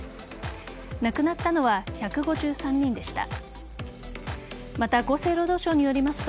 亡くなったのは１５３人でした。